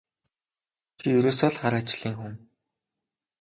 Чи ерөөсөө л хар ажлын хүн.